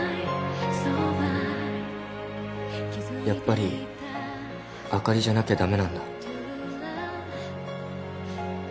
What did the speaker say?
やっぱりあかりじゃなきゃ駄目なんだ。